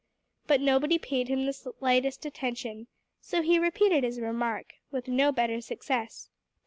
But nobody paid him the slightest attention; so he repeated his remark, with no better success.